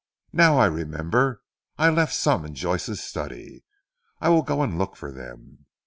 now I remember. I left some in Joyce's study. I will go and look for them.